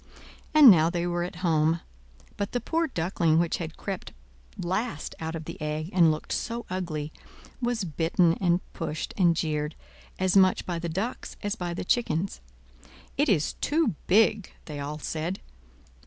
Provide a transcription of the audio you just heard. And now they were at home. But the poor Duckling which had crept last out of the egg, and looked so ugly, was bitten and pushed and jeered, as much by the ducks as by the chickens. "It is too big!" they all said.